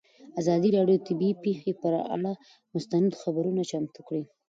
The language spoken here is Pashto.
ازادي راډیو د طبیعي پېښې پر اړه مستند خپرونه چمتو کړې.